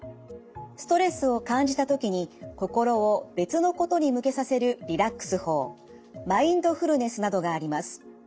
ストレスを感じた時に心を別のことに向けさせるリラックス法マインドフルネスなどがあります。